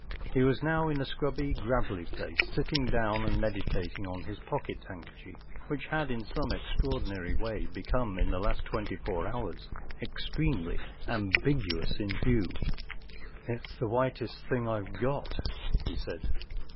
He was now in a scrubby gravelly place, sitting down and meditating on his pocket hand¬ kerchief, which had in some extraordi nary way become in the last twenty four hours ex¬ tremely ambigu¬ ous in hue* It's the whitest thing I've got,” he said.